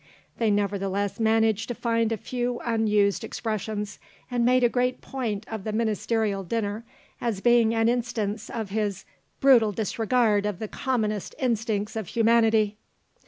They nevertheless managed to find a few unused expressions, and made a great point of the Ministerial dinner as being an instance of his "brutal disregard of the commonest instincts of humanity."